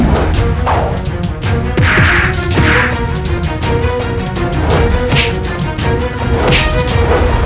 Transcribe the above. karena kita sudah tak tahu